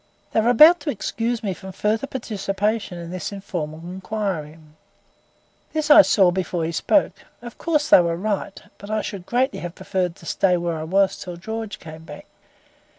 They were about to excuse me from further participation in this informal inquiry. This I saw before he spoke. Of course they were right. But I should greatly have preferred to stay where I was till George came back.